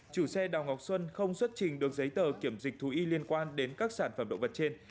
chủ xe đào ngọc xuân không xuất trình được giấy tờ kiểm dịch thú y liên quan đến các sản phẩm động vật trên